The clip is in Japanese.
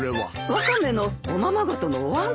ワカメのおままごとのおわんですよ。